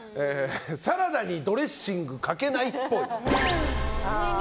サラダにドレッシングかけないっぽい。